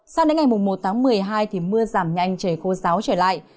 sau đến ngày một một mươi hai mưa giảm nhanh trời khô ráo trở lại